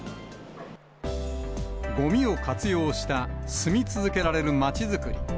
ごみを活用した住み続けられるまちづくり。